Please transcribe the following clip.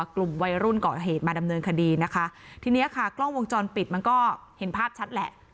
กลุ่มวัยรุ่นเกาะเหตุมาดำเนินคดีนะคะทีเนี้ยค่ะกล้องวงจรปิดมันก็เห็นภาพชัดแหละ